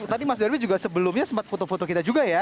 tadi mas darwi juga sebelumnya sempat foto foto kita juga ya